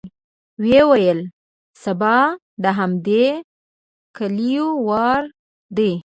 ويې ويل: سبا د همدې کليو وار دی.